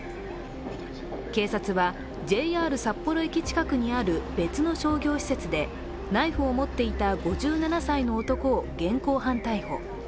警察はＪＲ札幌駅近くにある別の商業施設でナイフを持っていた５７歳の男を現行犯逮捕。